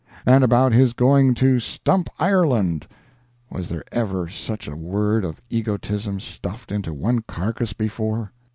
and about his going to "stump Ireland." Was there ever such a world of egotism stuffed into one carcass before?